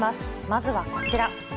まずはこちら。